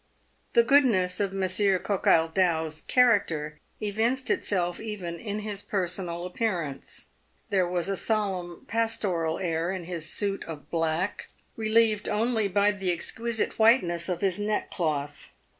The goodness of Monsieur Coquardau's character evinced itself even in his personal appearance. There was a solemn, pastoral air in his suit of black, relieved only by the exquisite whiteness of his neckcloth.